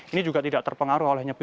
ini juga tidak terpengaruh oleh nyepi